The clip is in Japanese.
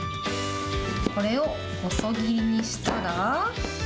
これを細切りにしたら。